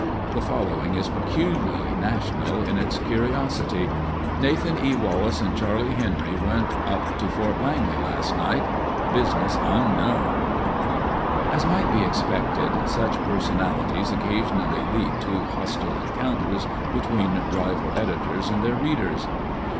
The following is peculiarly national in its curiosity :" Nathan E. Wallace and Charlie Henry went up to Fort Langely last night — business un known." As might be expected, such personalities occasionally lead to hostile encounters between rival editors and their readers.